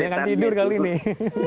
dia akan tidur kali nih